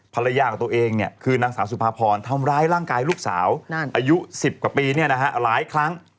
ภรรยาของตัวเองคือนางสาวสุภาพรทำร้ายร่างกายลูกสาวอายุ๑๐กว่าปีหลายครั้ง